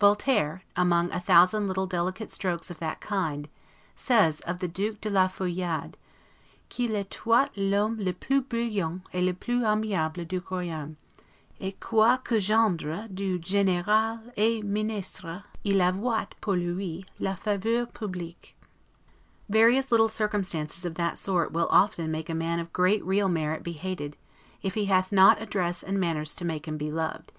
Voltaire, among a thousand little delicate strokes of that kind, says of the Duke de la Feuillade, 'qu'il etoit l'homme le plus brillant et le plus aimable du royaume; et quoique gendre du General et Ministre, il avoit pour lui la faveur publique'. Various little circumstances of that sort will often make a man of great real merit be hated, if he hath not address and manners to make him be loved.